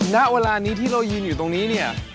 ณเวลานี้ที่เรายืนอยู่ตรงนี้เนี่ย